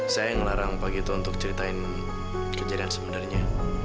saya yang larang pak gito untuk ceritain kejadian sebenarnya